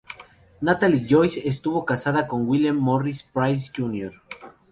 Natalie Joyce estuvo casada con William Morris Pryce Jr.